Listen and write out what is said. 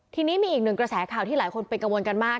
ทีนี้มีอีกหนึ่งกระแสข่าวที่หลายคนเป็นกังวลกันมาก